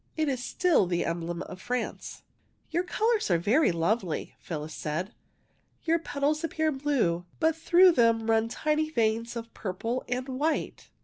It is still the emblem of France." *^ Your colours are very lovely," Phyllis said. " Your petals appear blue, but through them run tiny veins of purple and white."